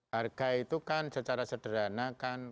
harga itu kan secara sederhana kan